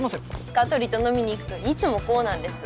香取と飲みに行くといつもこうなんです。